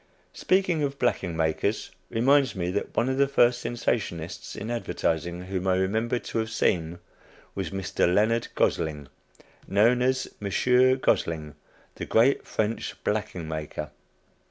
Speaking of "blacking makers," reminds me that one of the first sensationists in advertising whom I remember to have seen, was Mr. Leonard Gosling, known as "Monsieur Gosling, the great French blacking maker."